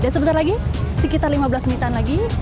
dan sebentar lagi sekitar lima belas menitan lagi